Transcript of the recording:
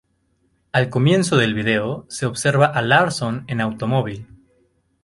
Al comienzo del vídeo, se observa a Larsson en automóvil.